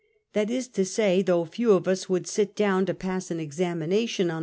That is to say, though few of us would sit down to pass an examination ou CHAP.